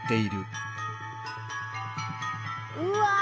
うわ！